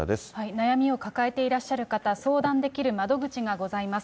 悩みを抱えていらっしゃる方、相談できる窓口がございます。